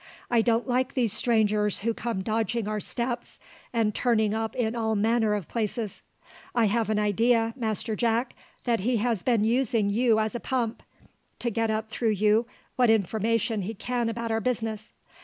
I don't like these strangers who come dodging our steps and turning up in all manner of places. I have an idea, Master Jack, that he has been using you as a pump, to get up through you what information he can about our business.